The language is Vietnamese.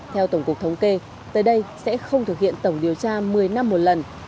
theo tổng cục thống kê tới đây sẽ không thực hiện tổng điều tra một mươi năm một lần